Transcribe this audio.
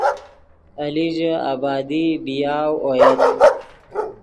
ایلیژے آبادی بی یاؤ اویت